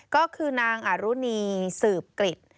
ก็คือนางอารุณีสืบกฤทธิ์